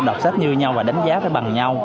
đọc sách như nhau và đánh giá bằng nhau